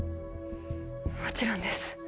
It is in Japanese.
もちろんです